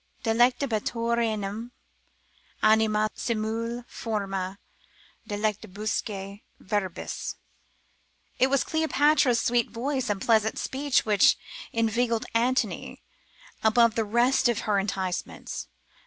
———Delectabatur enim Animus simul forma dulcibusque verbis. It was Cleopatra's sweet voice and pleasant speech which inveigled Antony, above the rest of her enticements.